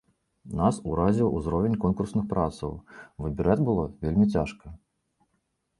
Нас уразіў узровень конкурсных працаў, выбіраць было вельмі цяжка.